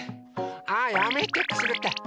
あやめてくすぐったい！